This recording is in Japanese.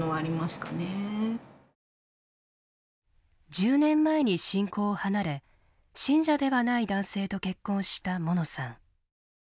１０年前に信仰を離れ信者ではない男性と結婚したものさん。